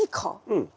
うん。